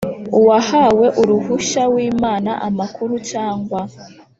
Uwahawe uruhushya wimana amakuru cyangwa